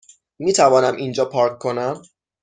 میتوانم اینجا پارک کنم؟